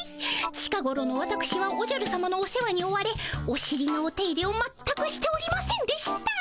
近ごろのわたくしはおじゃるさまのお世話に追われおしりのお手入れを全くしておりませんでした。